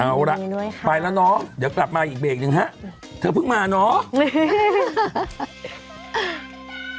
เอาล่ะไปแล้วเนอะเดี๋ยวกลับมาอีกเบรกนึงฮะเธอเพิ่งมาเนอะฮ่าฮ่าฮ่า